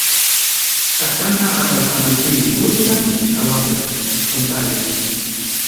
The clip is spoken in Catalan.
Està enterrat al cementiri Woodland a Londres, Ontario.